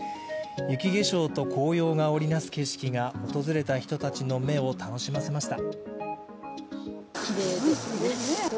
雪化粧と紅葉が織りなす景色が訪れた人たちの目を楽しませました。